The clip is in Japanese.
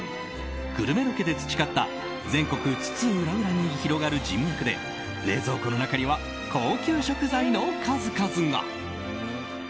グルメロケで培った全国津々浦々に広がる人脈で冷蔵庫の中には高級食材の数々が。